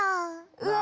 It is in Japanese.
うわ！